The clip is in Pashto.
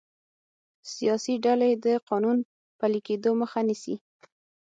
سیاسي ډلې د قانون پلي کیدو مخه نیسي